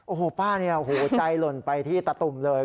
โอ้โหป้านี่ใจหล่นไปที่ตะตุ่มเลย